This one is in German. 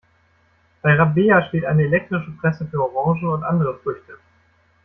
Bei Rabea steht eine elektrische Presse für Orangen und andere Früchte.